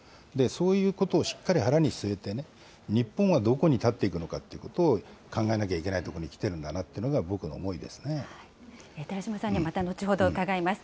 そういうことをしっかり腹に据えて、日本はどこに立っていくのかってことを考えなきゃいけないところに来てるんだなというのが、寺島さんにはまたのちほど伺います。